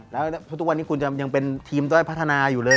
แล้วทุกวันนี้คุณจะยังเป็นทีมด้อยพัฒนาอยู่เลย